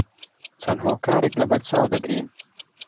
چەند هۆکارێک لەبەرچاو دەگرین